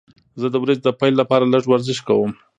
زه د ورځې د پیل لپاره لږه ورزش کوم.